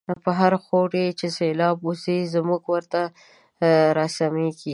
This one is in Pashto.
په هرخوړ چی سیلاب وزی، زمونږ وره ته را سمیږی